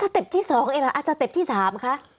สเต็ปที่สองเองหรอสเต็ปที่สามคะ